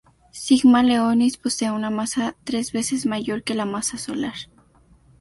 Sigma Leonis posee una masa tres veces mayor que la masa solar.